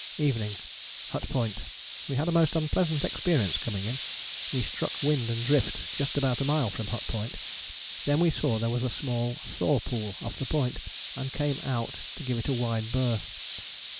"Evening. Hut Point. We had a most unpleasant experience coming in. We struck wind and drift just about a mile from Hut Point: then we saw there was a small thaw pool off the Point, and came out to give it a wide berth.